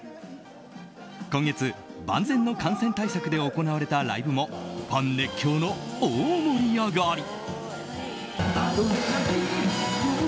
今月、万全の感染対策で行われたライブもファン熱狂の大盛り上がり。